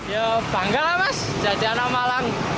ya bangga lah mas jajanan malang